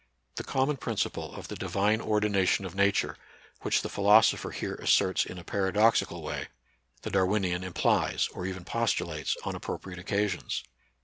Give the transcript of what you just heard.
The common principle of the Divine ordination of Nature, which the philosopher here asserts in a paradoxical way, the Darwinian implies, or even postulates, on appropriate occasions.